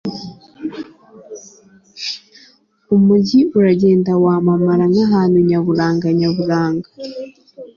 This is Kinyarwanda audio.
umujyi uragenda wamamara nkahantu nyaburanga nyaburanga